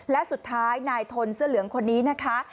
และสุดท้ายนายทนเสื้อเหลืองคนนี้นะคะ